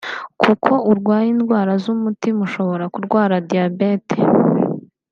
kuko urwaye indwara z’umutima ushobora kurwara diabète